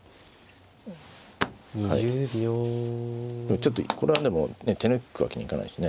ちょっとこれはねもう手抜くわけにはいかないしね。